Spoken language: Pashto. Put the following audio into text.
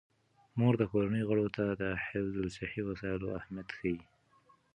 مور د کورنۍ غړو ته د حفظ الصحې وسایلو اهمیت ښيي.